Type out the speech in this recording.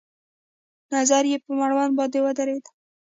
نظر يې په مړوند باندې ودرېد.